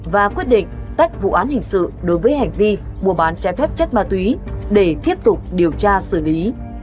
và quyết định tách vụ án hình sự đối với hành vi mua bán trái phép chất ma túy để tiếp tục điều tra xử lý